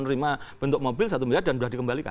menerima bentuk mobil satu miliar dan sudah dikembalikan